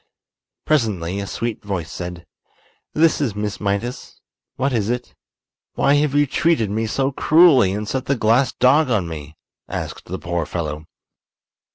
Presently a sweet voice said: "This is Miss Mydas. What is it?" "Why have you treated me so cruelly and set the glass dog on me?" asked the poor fellow.